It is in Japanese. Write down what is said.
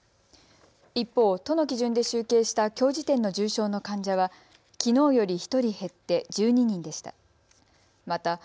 一方、都の基準で集計したきょう時点の重症の患者はきのうより１人減って１２人でした。